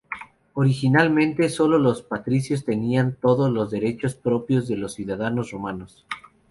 Originalmente, sólo los patricios tenían todos los derechos propios de los ciudadanos romanos.